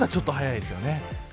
ちょっと早いですね。